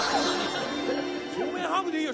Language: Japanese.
正面ハグでいいよ。